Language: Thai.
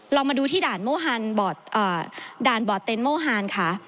เรามาดูที่ด่านบอร์เตนโมฮานค่ะ